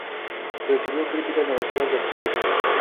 Recibió críticas negativas de los críticos.